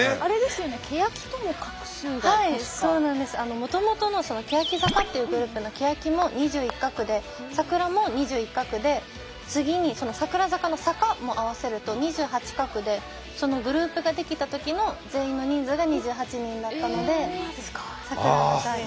もともとの欅坂っていうグループの欅も２１画で櫻も２１画で次に櫻坂の坂も合わせると２８画でグループができた時の全員の人数が２８人だったので櫻にした。